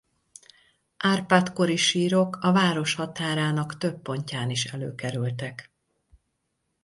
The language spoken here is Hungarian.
Árpád-kori sírok a város határának több pontján is előkerültek.